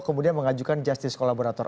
kemudian mengajukan justice kolaborator